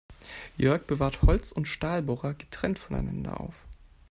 Jörg bewahrt Holz- und Stahlbohrer getrennt voneinander auf.